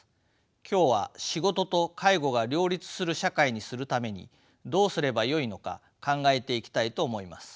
今日は仕事と介護が両立する社会にするためにどうすればよいのか考えていきたいと思います。